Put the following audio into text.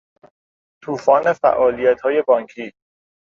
توفان فعالیتهای بانکی